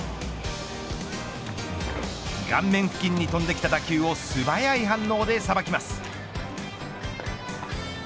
顔面付近に飛んできた打球を素早い反応でさばきます。